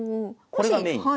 これがメイン。